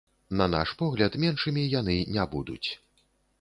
На наш погляд, меншымі яны не будуць.